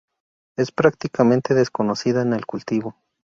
Es prácticamente desconocida en el cultivo.